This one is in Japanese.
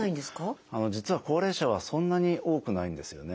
実は高齢者はそんなに多くないんですよね。